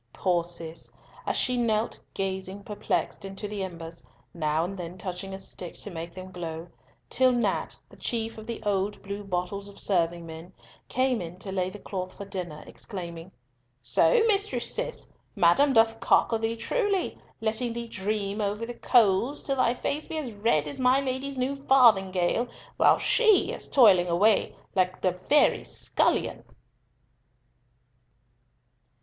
Poor Cis, she knelt gazing perplexed into the embers, now and then touching a stick to make them glow, till Nat, the chief of "the old blue bottles of serving men," came in to lay the cloth for dinner, exclaiming, "So, Mistress Cis! Madam doth cocker thee truly, letting thee dream over the coals, till thy face be as red as my Lady's new farthingale, while she is toiling away like a very scullion."